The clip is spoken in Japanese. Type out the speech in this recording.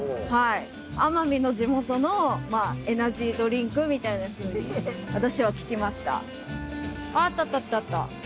奄美の地元のエナジードリンクみたいなふうに私は聞きました。